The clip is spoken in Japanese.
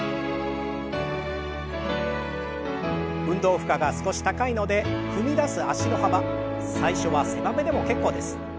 運動負荷が少し高いので踏み出す脚の幅最初は狭めでも結構です。